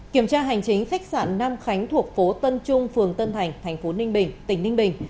kiểm tra hành chính khách sạn nam khánh thuộc phố tân trung phường tân thành thành phố ninh bình tỉnh ninh bình